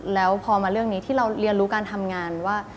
แล้วพอมาเรื่องนี้ที่เราเรียนรู้การทำงานว่า